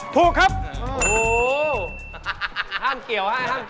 ถูกครับโอ้โฮ